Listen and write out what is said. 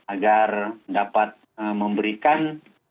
agar dapat memberikan